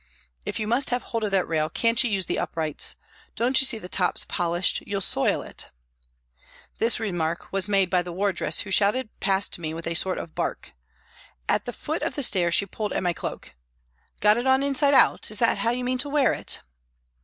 " If you must have hold of that rail, can't you use the uprights ? Don't you see the top's polished, you'll soil it." This remark was made by the wardress who shouted past me with a sort of bark. At the foot of the stairs she pulled at my cloak, " Got it on inside out, is that how you mean to wear it